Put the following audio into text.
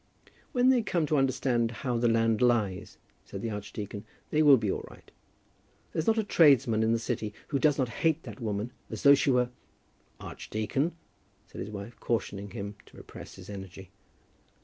"When they come to understand how the land lies," said the archdeacon, "they will be all right. There's not a tradesman in the city who does not hate that woman as though she were " "Archdeacon," said his wife, cautioning him to repress his energy.